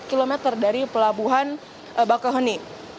atau empat dua puluh empat km dari pelabuhan bakahoni